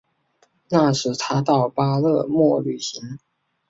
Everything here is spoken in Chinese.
那时他到巴勒莫旅行。